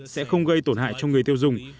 sẽ không gây tổn hại cho người tiêu dùng